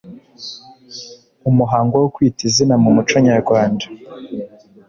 Umuhango wo kwita izina mu muco nyarwanda